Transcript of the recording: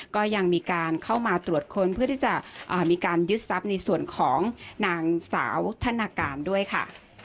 ก็ยังมีการเข้ามาตรวจค้นเพื่อที่จะมีการยึดทรัพย์ในส่วนของนางสาวธนาการด้วยค่ะ